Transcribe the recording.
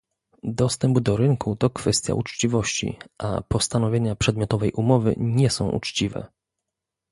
Dostęp do rynku to kwestia uczciwości, a postanowienia przedmiotowej umowy nie są uczciwe